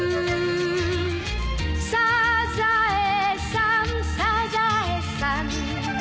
「サザエさんサザエさん」